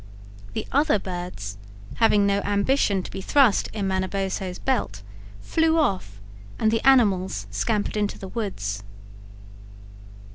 The other birds, having no ambition to be thrust in Manabozho's belt, flew off, and the animals scampered into the woods.